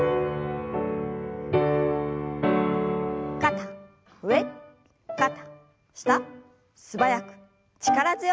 肩上肩下素早く力強く。